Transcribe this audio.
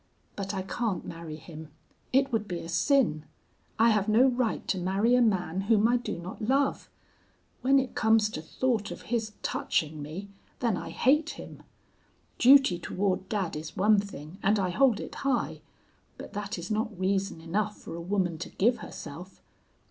But I can't marry him. It would be a sin. I have no right to marry a man whom I do not love. When it comes to thought of his touching me, then I hate him. Duty toward dad is one thing, and I hold it high, but that is not reason enough for a woman to give herself.